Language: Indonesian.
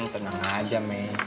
tenang aja mei